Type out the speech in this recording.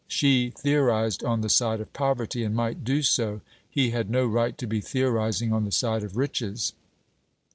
She theorized on the side of poverty, and might do so: he had no right to be theorizing on the side of riches.